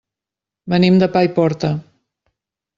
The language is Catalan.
Venim de Paiporta.